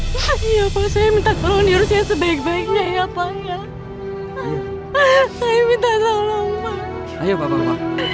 saya minta tolong dirinya sebaik baiknya ya pak ya saya minta tolong ayo bapak